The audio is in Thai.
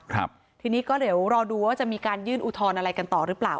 ครับทีนี้ก็เดี๋ยวรอดูว่าจะมีการยื่นอุทธรณ์อะไรกันต่อหรือเปล่า